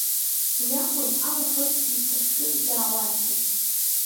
Уи акәын алаӷырӡ ҭыҳәҳәы изаауазгьы.